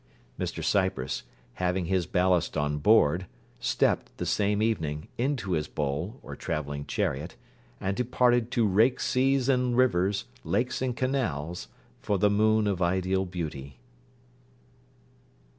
Mr Cypress, having his ballast on board, stepped, the same evening, into his bowl, or travelling chariot, and departed to rake seas and rivers, lakes and canals, for the moon of ideal beauty.